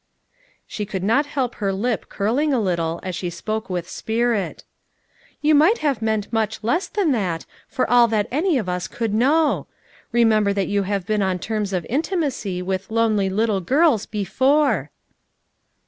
She could not help her lip curling a little, as she spoke with spirit. "You might have meant much less than that, for all that any of us could 372 FOUR MOTHERS AT CHAUTAUQUA know. Remember thai you have been on terms of intimacy with * lonely little girls' before."